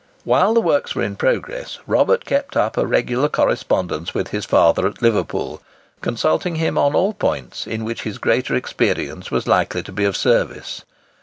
While the works were in progress, Robert kept up a regular correspondence with his father at Liverpool, consulting him on all points in which his greater experience was likely to be of service.